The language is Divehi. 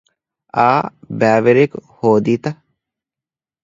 އާ ބައިވެރިއަކު ހޯދީތަ؟